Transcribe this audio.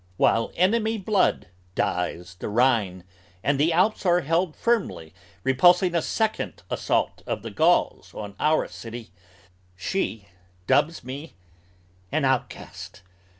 While enemy blood dyes the Rhine and the Alps are held firmly Repulsing a second assault of the Gauls on our city, She dubs me an outcast!